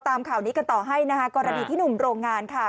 ตามข่าวนี้กันต่อให้นะคะกรณีที่หนุ่มโรงงานค่ะ